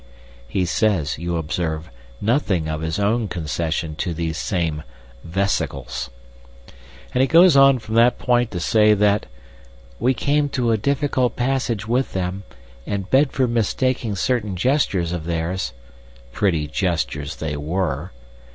(He says, you observe, nothing of his own concession to these same "vesicles.") And he goes on from that point to say that "We came to a difficult passage with them, and Bedford mistaking certain gestures of theirs"—pretty gestures they were!